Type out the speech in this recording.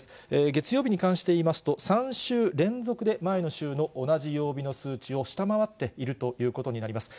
月曜日に関していいますと、３週連続で前の週の同じ曜日の数値を下回っているということになります。